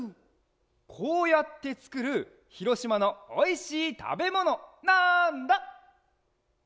こうやってつくるひろしまのおいしいたべものなんだ？